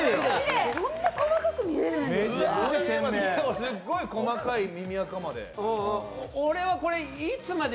すっごい細かい耳あかまで。